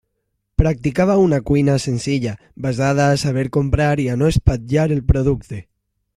Practicava una cuina senzilla, basada a saber comprar i a no espatllar el producte.